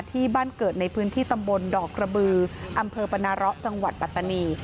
ที่บ้านเกิดในพื้นที่ตำบลดอกกระบืออำเภอปนาเลาะจังหวัดปัตตานี